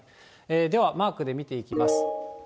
では、マークで見ていきます。